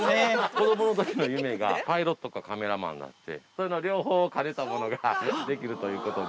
子どものときの夢がパイロットかカメラマンで、その両方を兼ねたものができるということで。